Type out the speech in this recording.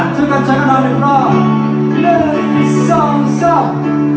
ทุกคนจะกำหนดหนึ่งรอ